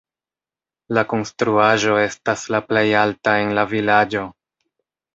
La konstruaĵo estas la plej alta en la vilaĝo.